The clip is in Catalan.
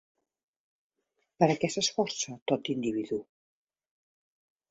Per a què s'esforça tot individu?